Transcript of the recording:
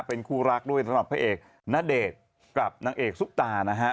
เป็นคู่รักด้วยสำหรับพระเอกณเดชน์กับนางเอกซุปตานะฮะ